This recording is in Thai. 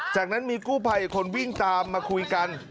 จากนั้นมีกู้ภัยอีกคนวิ่งตามมาคุยกัน